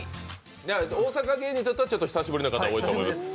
大阪芸人にとっては、久しぶりの方が多いと思います。